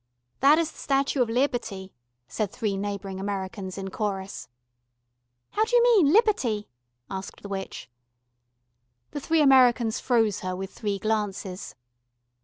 "That is the Statue of Liberty," said three neighbouring Americans in chorus. "How d'you mean Liberty?" asked the witch. The three Americans froze her with three glances.